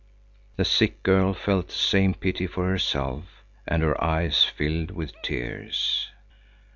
The sick girl felt the same pity for herself, and her eyes filled with tears.